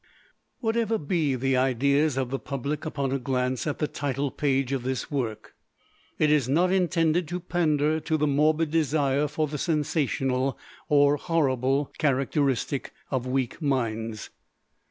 Whatever be the ideas of the public upon a glance at the title page of this work, it is not intended to pander to the morbid desire for the sensational or horrible, characteristic of weak minds.